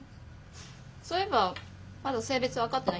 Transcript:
そういえばまだ性別分かってないんだっけ？